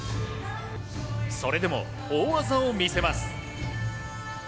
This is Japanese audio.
それでも、大技を見せます。